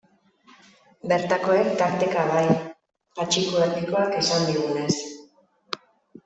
Bertakoek, tarteka, bai, Patxiku Erdikoak esan digunez.